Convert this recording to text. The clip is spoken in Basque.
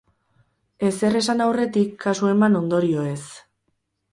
Ezer esan aurretik, kasu eman ondorioez.